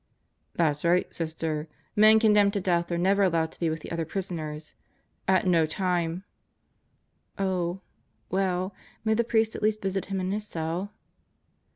"That's right, Sister. Men condemned to death are never allowed to be with the other prisoners. At no time " "Oh ... Well, may the priest at least visit him in his cell?"